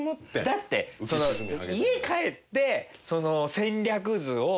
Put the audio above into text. だって家帰ってその。